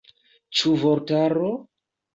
Ĉu vortaro?